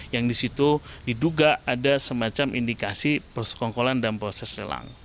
yang di situ diduga ada semacam indikasi persukongkolan dalam proses lelang